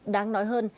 đáng nói hơn